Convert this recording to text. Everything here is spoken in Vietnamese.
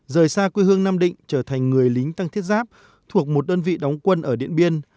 rời xa quê hương nam định trở thành người lính tăng thiết giáp thuộc một đơn vị đóng quân ở điện biên